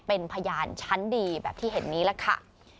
เป็นพยานชั้นดีแบบที่เห็นนี้ล่ะค่ะ